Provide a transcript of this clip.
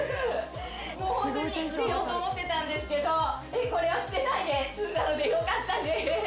もうホントに捨てようと思ってたんですけどこれは捨てないで済んだのでよかったです